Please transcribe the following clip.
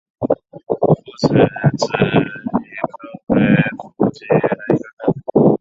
复齿脂鲤科为辐鳍鱼纲脂鲤目的一个科。